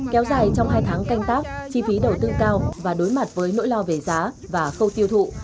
kéo dài trong hai tháng canh tác chi phí đầu tư cao và đối mặt với nỗi lo về giá và khâu tiêu thụ